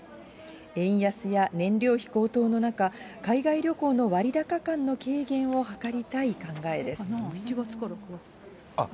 円安や燃料費高騰の中、海外旅行の割高感の軽減を図りたい考えです。